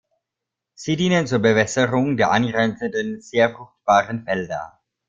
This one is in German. Sie dienen zur Bewässerung der angrenzenden, sehr fruchtbaren Felder.